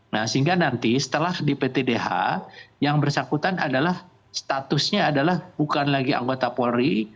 nah sehingga nanti setelah di ptdh yang bersangkutan adalah statusnya adalah bukan lagi anggota polri